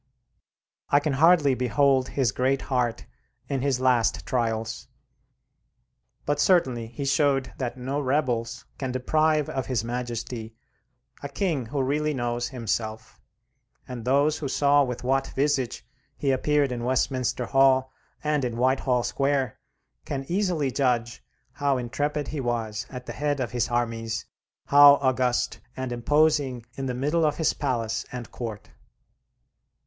I can hardly behold his great heart in his last trials: but certainly he showed that no rebels can deprive of his majesty a king who really knows himself; and those who saw with what visage he appeared in Westminster Hall and in Whitehall Square can easily judge how intrepid he was at the head of his armies, how august and imposing in the middle of his palace and court.